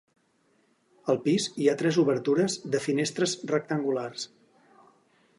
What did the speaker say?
Al pis hi ha tres obertures de finestres rectangulars.